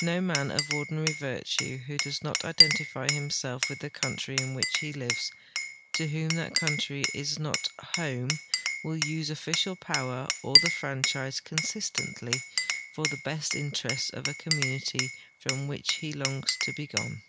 No man of ordinarv virtue who does not identify himself with the country in which he lives, to whom that country is not " home," will use official })Ower or the franchise consistently for the best interests of a community from which he longs to be gone.